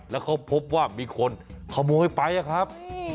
แล้วเขาพบว่ามีคนขโมยไปครับ